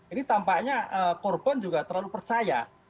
ini tampaknya korban juga terlalu percaya